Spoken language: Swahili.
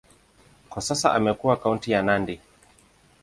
Kwa sasa imekuwa kaunti ya Nandi.